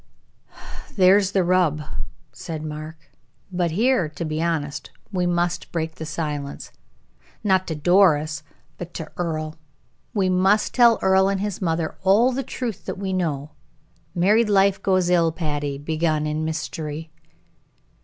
"There's the rub," said Mark; "but here, to be honest, we must break silence. Not to Doris, but to Earle. We must tell Earle and his mother all the truth that we know. Married life goes ill, Patty, begun in mystery."